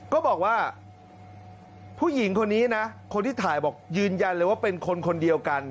ก็บอกว่าผู้หญิงคนนี้นะคนที่ถ่ายบอกยืนยันเลยว่าเป็นคนคนเดียวกัน